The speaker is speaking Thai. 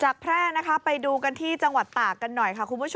แพร่นะคะไปดูกันที่จังหวัดตากกันหน่อยค่ะคุณผู้ชม